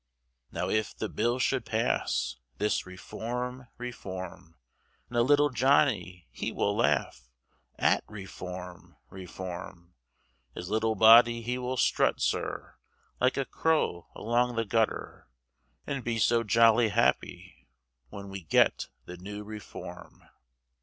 Now if the Bill should pass, This Reform, Reform; Now little Johnny he will laugh At Reform, Reform; His little body he will strut, sir, Like a crow along the gutter, And be so jolly happy When we get the new Reform.